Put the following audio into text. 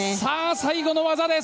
最後の技です！